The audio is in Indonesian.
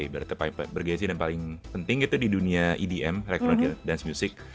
ibaratnya paling bergensi dan paling penting itu di dunia edm electronic dance music